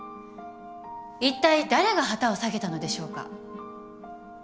いったい誰が旗を下げたのでしょうか？